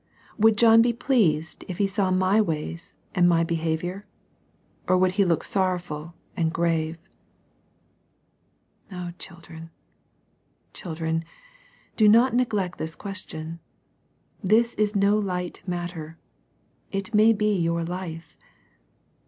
Would John be pleased if he saw my ways and my behaviour, or would he look sorrowful and grave ?" O children, children, do not neglect this question. This is no light matter. It may be your life.